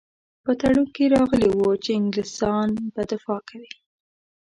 په تړون کې راغلي وو چې انګلیسیان به دفاع کوي.